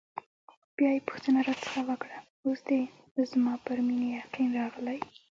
بیا یې پوښتنه راڅخه وکړه: اوس دې زما پر مینې یقین راغلی؟